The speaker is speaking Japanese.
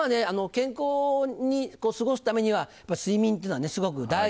健康に過ごすためにはやっぱ睡眠っていうのはねすごく大事ですよね。